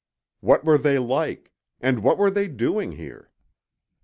What were they like? And what were they doing here?